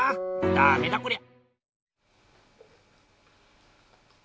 ダメだこりゃ！